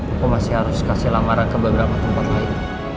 aku masih harus kasih lamaran ke beberapa tempat lain